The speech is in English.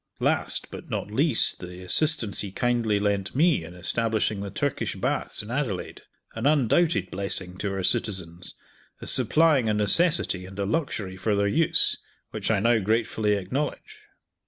Last, but not least, the assistance he kindly lent me in establishing the Turkish Baths in Adelaide an undoubted blessing to our citizens, as supplying a necessity and a luxury for their use which I now gratefully acknowledge.